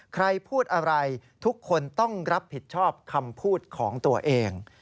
ใครพูดอะไรทุกคนต้องรับผิดชอบคำพูดของตัวเอง